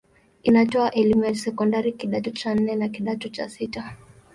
Inatoa elimu ya sekondari kidato cha nne na kidato cha sita.